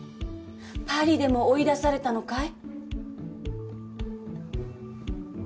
パリでも追い出されたのかい？